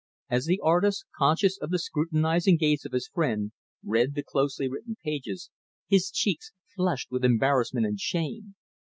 As the artist, conscious of the scrutinizing gaze of his friend, read the closely written pages, his cheeks flushed with embarrassment and shame.